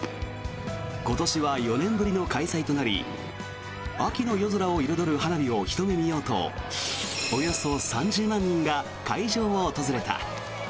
今年は４年ぶりの開催となり秋の夜空を彩る花火をひと目見ようとおよそ３０万人が会場を訪れた。